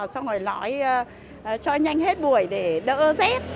xong rồi lõi cho nhanh hết buổi để đỡ rét